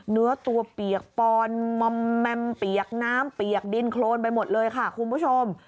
เนื้อตัวเปียกปอนมอมแมมเปียกน้ำเปียกดินโครนไปหมดเลยค่ะคุณผู้ชม